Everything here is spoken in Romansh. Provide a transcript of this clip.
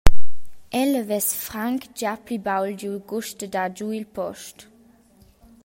El havess franc gia pli baul giu gust da dar giu il post.